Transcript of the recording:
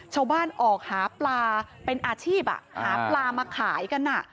ชาวบ้านออกหาปลาเป็นอาชีพหาปลามาขายกัน